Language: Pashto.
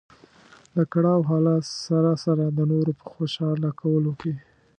د کړاو حالت سره سره د نورو په خوشاله کولو کې.